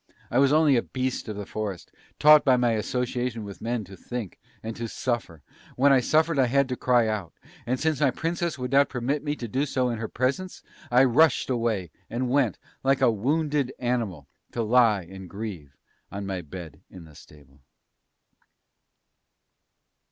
I was only a beast of the forest, taught by my association with men to think, and to suffer; when I suffered I had to cry out; and since my Princess would not permit me to do so in her presence I rushed away, and went, like a wounded animal, to lie and grieve on my bed in the stable!